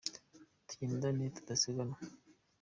Tugendane tudasiganwa.